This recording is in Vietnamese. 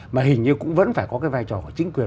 mà hình như cũng vẫn phải có cái vai trò của chính quyền